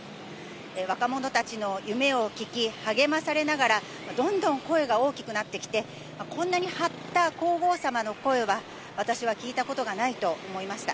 若者たちの夢を聞き、励まされながら、どんどん声が大きくなってきて、こんなに張った皇后さまの声は、私は聞いたことがないと思いました。